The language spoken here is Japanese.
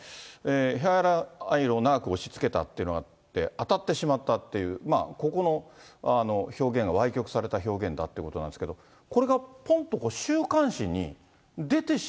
ヘアアイロンを長く押しつけたというのがあって、当たってしまったっていう、ここの表現がわい曲された表現だってことなんですけど、これがぽんと週刊誌に出てし